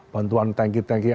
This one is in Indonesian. bantuan tanki tanki air